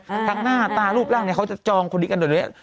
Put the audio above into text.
อ่าทางหน้าตารูปร่างเนี้ยเขาจะจองคนดีกันโดยเนี้ย